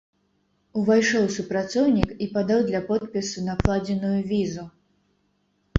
Увайшоў супрацоўнік і падаў для подпісу накладзеную візу.